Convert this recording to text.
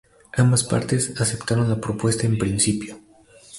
Ambas partes aceptaron la propuesta, en principio.